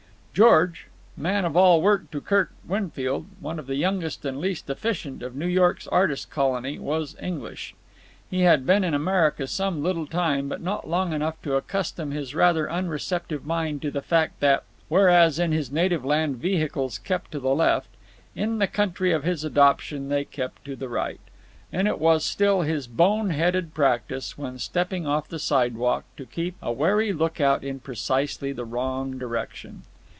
George, man of all work to Kirk Winfield, one of the youngest and least efficient of New York's artist colony, was English. He had been in America some little time, but not long enough to accustom his rather unreceptive mind to the fact that, whereas in his native land vehicles kept to the left, in the country of his adoption they kept to the right; and it was still his bone headed practice, when stepping off the sidewalk, to keep a wary look out in precisely the wrong direction.